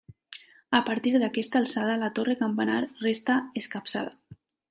A partir d'aquesta alçada la torre-campanar resta escapçada.